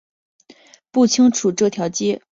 不清楚这条街是否真的以公主命名。